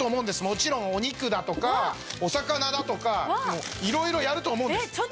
もちろんお肉だとかお魚だとかいろいろやると思うんです。